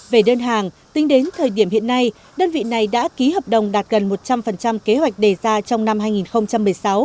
về đơn hàng tính đến thời điểm hiện nay đơn vị này đã ký hợp đồng đạt gần một trăm linh kế hoạch đề ra trong năm hai nghìn một mươi sáu